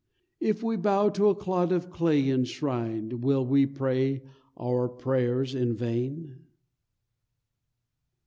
If we bow to a clod of clay enshrined Will we pray our prayers in vain?